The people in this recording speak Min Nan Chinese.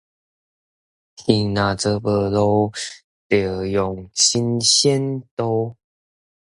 戲若做無路，就用神仙渡